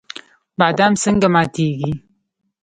بادام څنګه ماتیږي؟